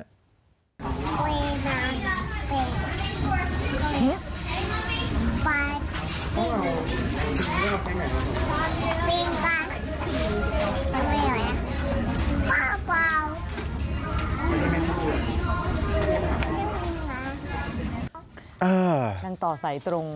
นั่งต่อใส่ตรง